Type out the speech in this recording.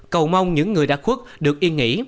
cầu mong những người đã khuất được yên nghỉ